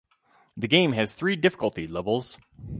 The game has three difficulty levels.